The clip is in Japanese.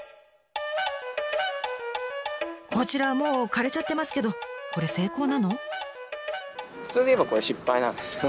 こちらはもう枯れちゃってますけどこれ成功なの？